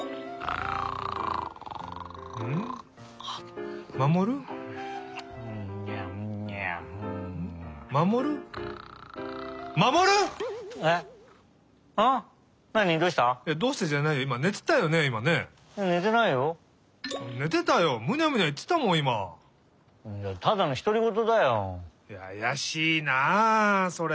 あやしいなあそれ。